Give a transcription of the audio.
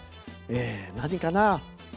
え何かなあ。